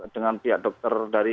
dengan pihak dokter dari